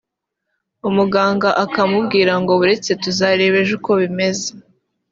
umuganga akamubwira ngo buretse tuzareba ejo uko bimeze